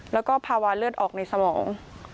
แล้วก็ภาวะเลือดออกในสมอง